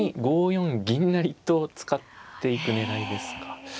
５四銀成と使っていく狙いですか。